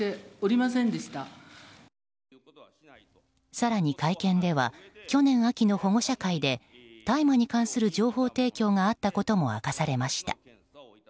更に、会見では去年秋の保護者会で大麻に関する情報提供があったことも明かされました。